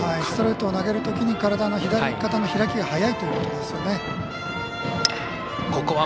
ストレートを投げるときに左肩の開きが早いということですね。